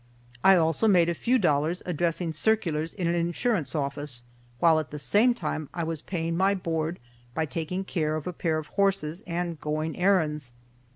I also made a few dollars addressing circulars in an insurance office, while at the same time I was paying my board by taking care of a pair of horses and going errands.